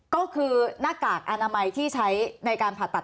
ก็คือหน้ากากอนามัยที่ใช้ในการผ่าตัด